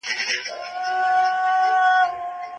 د څېړونکي دنده د حقایقو روښانه کول دي.